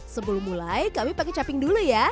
sebelum mulai kami pakai caping dulu ya